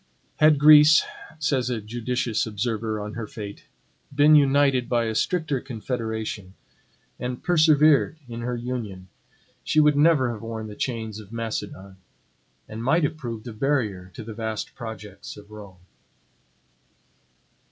Had Greece, says a judicious observer on her fate, been united by a stricter confederation, and persevered in her union, she would never have worn the chains of Macedon; and might have proved a barrier to the vast projects of Rome.